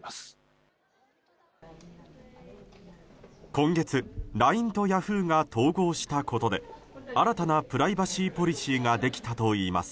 今月、ＬＩＮＥとヤフーが統合したことで新たなプライバシーポリシーができたといいます。